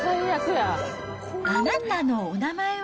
あなたのお名前は？